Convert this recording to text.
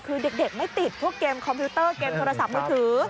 คือเด็กไม่ติดพวกเกมคอมพิวเตอร์เกมโทรศัพท์มือถือ